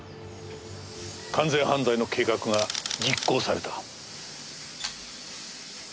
完全犯罪の計画が実行された。